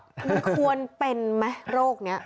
มันควรเป็นไหมโรคนี้